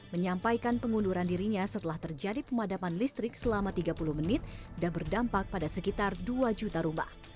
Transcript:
menyampaikan pengunduran dirinya setelah terjadi pemadaman listrik selama tiga puluh menit dan berdampak pada sekitar dua juta rumah